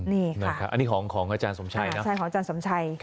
นี่นะครับอันนี้ของอาจารย์สมชัยนะใช่ของอาจารย์สมชัย